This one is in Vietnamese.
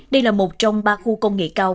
đây là một trong ba khu công nghệ cao